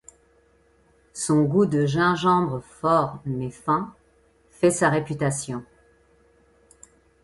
Son goût de gingembre fort mais fin fait sa réputation.